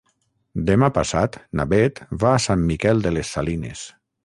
Demà passat na Beth va a Sant Miquel de les Salines.